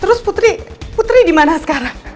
terus putri dimana sekarang